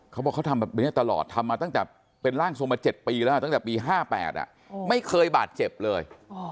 เขาบอกเขาทำแบบนี้ตลอดทำมาตั้งแต่เป็นร่างทรงมา๗ปีแล้วตั้งแต่ปี๕๘ไม่เคยบาดเจ็บเลย